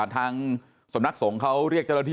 ทางสำนักสงฆ์เขาเรียกเจ้าหน้าที่